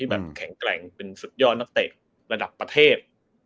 แบบแข็งแกร่งเป็นสุดยอดนักเตะระดับประเทศ